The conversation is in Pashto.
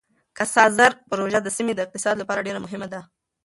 کاسا زر پروژه د سیمې د اقتصاد لپاره ډېره مهمه ده.